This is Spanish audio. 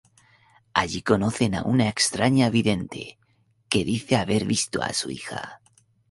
Allí conocen a una extraña vidente que dice haber visto a su hija.